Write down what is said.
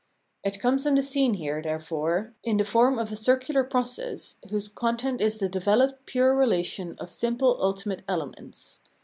It comes on the scene here, therefore, in the form of a circular process, whose content is the developed pure relation of simple ulti mate elements.